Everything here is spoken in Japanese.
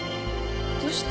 どうして？